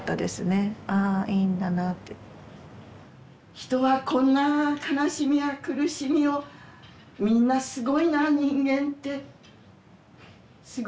人はこんな悲しみや苦しみをみんなすごいな人間ってすごいなって